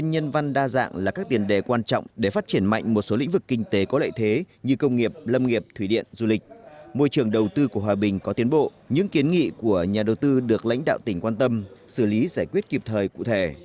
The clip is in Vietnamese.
hội nghị xúc tiến đầu tư của hòa bình có tiến bộ những kiến nghị của nhà đầu tư được lãnh đạo tỉnh quan tâm xử lý giải quyết kịp thời cụ thể